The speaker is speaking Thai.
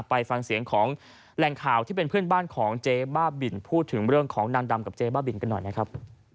ไปฟังเสียงของแหล่งข่าวที่เป็นเพื่อนบ้านของเจ๊บ้าบินพูดถึงเรื่องของนางดำกับเจ๊บ้าบินกันหน่อยนะครับ